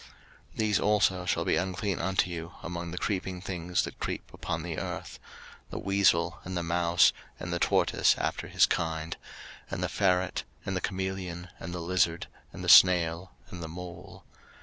03:011:029 These also shall be unclean unto you among the creeping things that creep upon the earth; the weasel, and the mouse, and the tortoise after his kind, 03:011:030 And the ferret, and the chameleon, and the lizard, and the snail, and the mole.